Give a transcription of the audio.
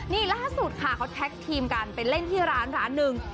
นี่ล่าสุดค่ะเขาแท็กทีมกันไปเล่นที่ร้านร้านหนึ่ง